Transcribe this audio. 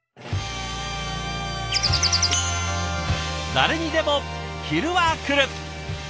誰にでも昼はくる。